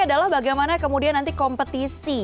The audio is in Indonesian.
adalah bagaimana kemudian nanti kompetisi